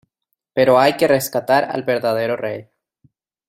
Pero hay que rescatar al verdadero rey.